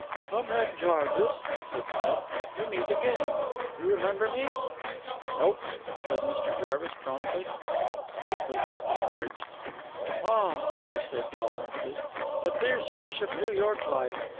"Comrade Jarvis," said Smith, "we meet again. You remember me?" "Nope," said Mr. Jarvis promptly. Smith was not discouraged. "Ah!" he said tolerantly, "the fierce rush of New York life!